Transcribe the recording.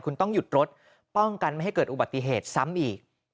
คุณต้องหยุดรถป้องกันไม่ให้เกิดอุบัติเหตุซ้ำอีก